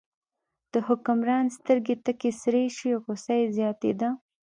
د حکمران سترګې تکې سرې شوې، غوسه یې زیاتېده.